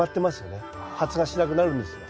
発芽しなくなるんですよ。